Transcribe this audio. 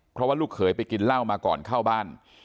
เพราะว่าลูกเขยไปกินเหล้ามาก่อนเข้าบ้าน